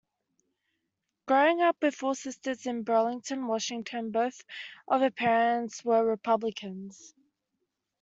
Growing up with four sisters in Burlington, Washington, both of her parents were Republicans.